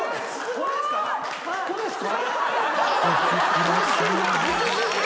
これですか？